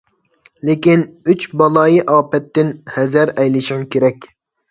لېكىن، «ئۈچ بالايىئاپەت»تىن ھەزەر ئەيلىشىڭ كېرەك.